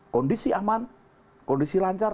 kondisi aman kondisi lancar